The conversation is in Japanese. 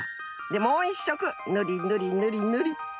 でもう１しょくぬりぬりぬりぬり。